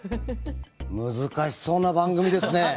難しそうな番組ですね。